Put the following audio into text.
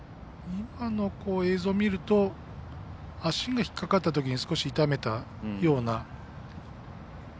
今の映像を見ると足が引っ掛かったときに少し痛めたような。